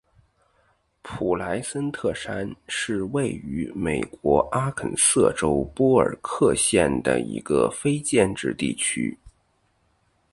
普莱森特山是位于美国阿肯色州波尔克县的一个非建制地区。